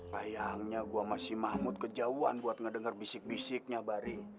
bayangnya gua sama si mahmud kejauhan buat ngedenger bisik bisiknya bari